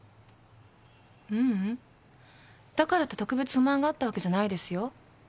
ううんだからって特別不満があったわけじゃないですよ。